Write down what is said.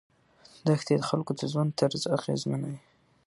دښتې د خلکو د ژوند طرز اغېزمنوي.